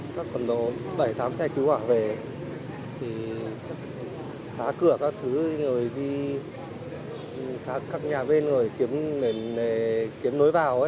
các phần đó bảy tám xe cứu quả về phá cửa các thứ xác các nhà bên để kiếm nối vào